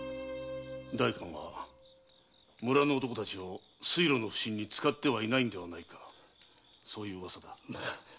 代官は村の男たちを水路の普請に使ってはいないのではないかそういう噂だ。